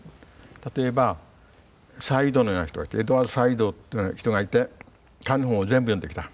例えばサイードのような人がいてエドワード・サイードというような人がいて彼の本を全部読んできた。